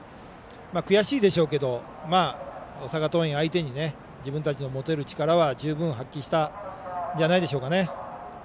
悔しいでしょうけど大阪桐蔭相手に自分たちの持てる力は十分発揮したんじゃないでしょうか。